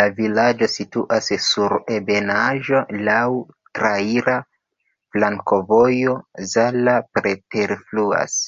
La vilaĝo situas sur ebenaĵo, laŭ traira flankovojo, Zala preterfluas.